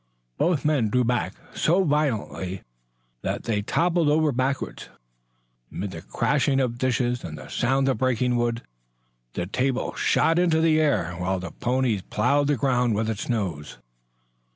Both men drew back so violently that they toppled over backwards. 'Mid the crashing of dishes and the sound of breaking wood, the dinner table shot up into the air, while the pony ploughed the ground with its nose.